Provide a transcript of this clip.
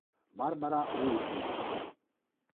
Barbara Wood